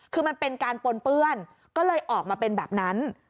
คือมันเป็นการปนเปื้อนก็เลยออกมาเป็นแบบนั้น